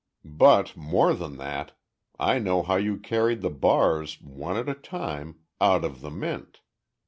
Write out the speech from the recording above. "But, more than that, I know how you carried the bars, one at a time, out of the Mint.